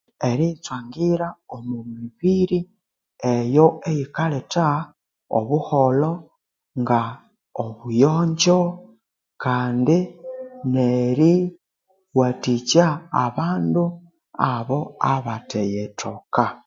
Eriyitsungira omwamibiri eyo eyikalhetha obuholho nga obuyonjo kandi neriwathikya abandu abo abathiyithoka